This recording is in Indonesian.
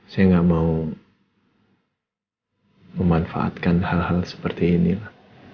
saya nggak mau memanfaatkan hal hal seperti ini ma